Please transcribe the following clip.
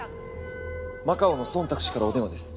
マカオのソンタク氏からお電話です。